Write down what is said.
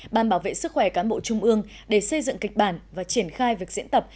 ban bảo vệ sức khỏe cán bộ trung ương để xây dựng kịch bản và triển khai việc diễn tập